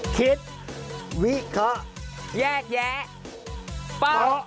คิดวิเคราะห์แยกแยะโป๊ะ